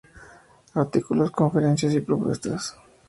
Artículos, conferencias y propuestas.